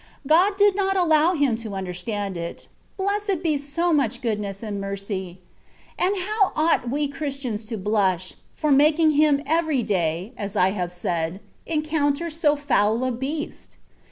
God did not allow him to understand it. Blessed be so much good ness and mercy ! And how ought we Christians to blush, for making him every day (as I have said) encounter so foul a beast?